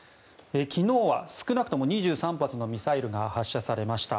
昨日は少なくとも２３発のミサイルが発射されました。